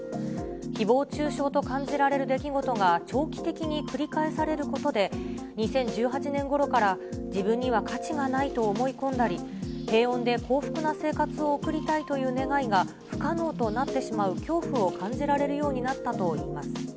ひぼう中傷と感じられる出来事が長期的に繰り返されることで、２０１８年ごろから、自分には価値がないと思い込んだり、平穏で幸福な生活を送りたいという願いが不可能となってしまう恐怖を感じられるようになったといいます。